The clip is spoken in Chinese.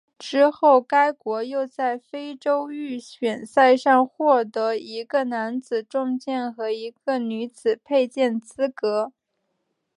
之后该国又在非洲预选赛上获得一个男子重剑和一个女子佩剑资格。